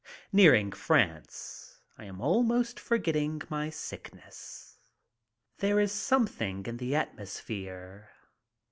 Nearing France, I am almost forgetting my sickness. There is something in the atmosphere.